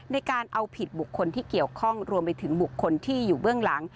ในการเอาผิดบุคคลที่เกี่ยวข้องรวมไปถึงบุคคลที่อยู่เบื้องหลัง